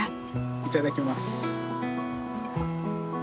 いただきます。